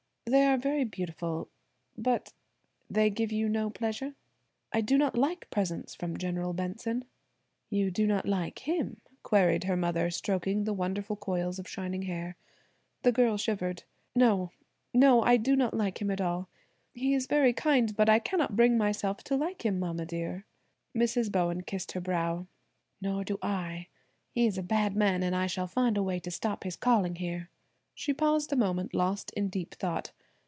"They are very beautiful, but–" "They give you no pleasure?" "I do not like presents from General Benson." "You do not like him?" queried her mother, stroking the wonderful coils of shining hair. The girl shivered. "No–no. I do not like him at all; he is very kind, but I cannot bring myself to like him, mama, dear." Mrs. Bowen kissed her brow. "Nor do I; he is a bad man and I shall find a way to stop his calling here." She paused a moment lost in deep thought.